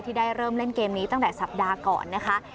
ได้เริ่มเล่นเกมนี้ตั้งแต่สัปดาห์ก่อนนะคะ